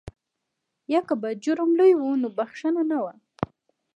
یا که به جرم لوی و نو بخښنه نه وه.